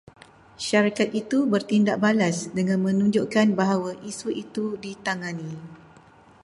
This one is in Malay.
Syarikat itu bertindak balas dengan menunjukkan bahawa isu itu ditangani